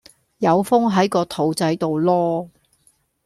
有風係個肚仔到囉